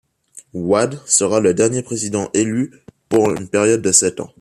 Wade sera le dernier président élu pour une période de sept ans.